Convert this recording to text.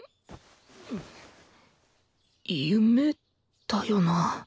夢だよな